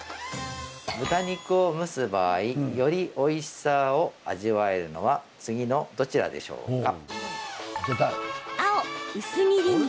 豚肉を蒸す場合よりおいしさを味わえるのは次のどちらでしょうか？